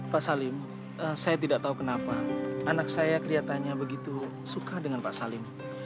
pak salim saya tidak tahu kenapa anak saya kelihatannya begitu suka dengan pak salim